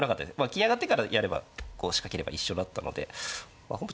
金上がってからやればこう仕掛ければ一緒だったので本譜